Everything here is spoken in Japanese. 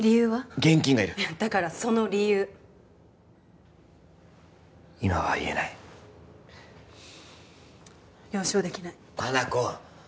現金がいるだからその理由今は言えない了承できない香菜子